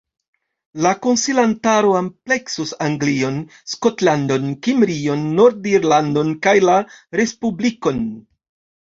La konsilantaro ampleksus Anglion, Skotlandon, Kimrion, Nord-Irlandon kaj la Respublikon.